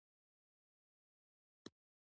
د سالمې پوهنې په لوړولو کې زیار وکړي.